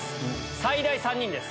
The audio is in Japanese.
最大３人です。